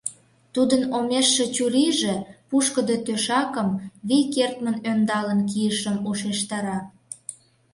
Тудын омештше чурийже пушкыдо тӧшакым, вий кертмын ӧндалын кийышым ушештара.